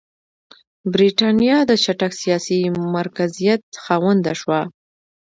برېټانیا د چټک سیاسي مرکزیت خاونده شوه.